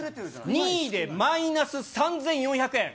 ２位でマイナス３４００円。